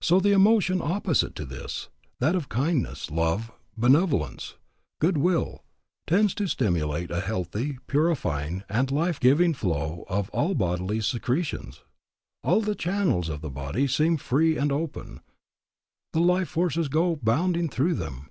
So the emotion opposite to this, that of kindliness, love, benevolence, good will, tends to stimulate a healthy, purifying, and life giving flow of all the bodily secretions. All the channels of the body seem free and open; the life forces go bounding through them.